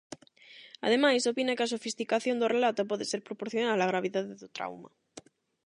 Ademais, opina que a sofisticación do relato pode ser proporcional á gravidade do trauma.